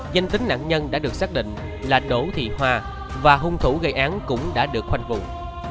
danh tính nạn nhân đã được xác định là đỗ thị hoa và hung thủ gây án cũng đã được khoanh vùng